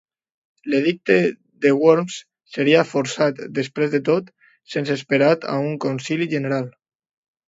L'Edicte de Worms seria forçat, després de tot, sense esperar a un Concili General.